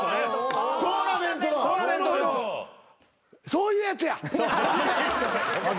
そういうやつや！